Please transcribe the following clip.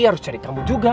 harus cari kamu juga